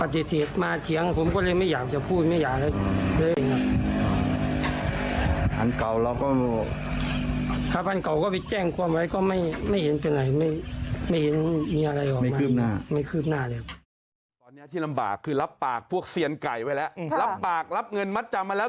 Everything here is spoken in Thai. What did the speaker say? ตอนนี้ที่ลำบากคือรับปากพวกเซียนไก่ไว้แล้วรับปากรับเงินมัดจำมาแล้ว